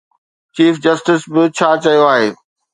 Chief justice به ڇا چيو آهي؟